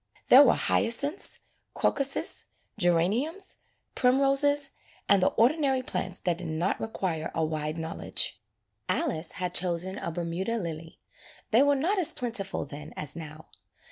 There were hyacinths, crocuses, geraniums, primroses, and the ordinary plants that did not require a wide knowledge. Alice had chosen a Bermuda lily. They were not as plentiful then as now.